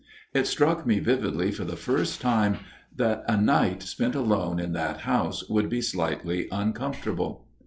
It struck me vividly for the first time that a night spent alone in that house would be slightly uncomfortable.